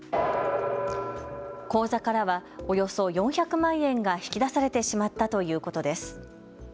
口座からはおよそ４００万円が引き出されてしまったということです。